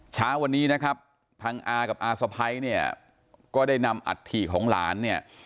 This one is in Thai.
เช้าวันนี้นะครับทางอากับอาสะพ้ายเนี่ยก็ได้นำอัฐิของหลานเนี่ย